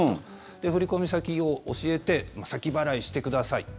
で、振込先を教えて先払いしてください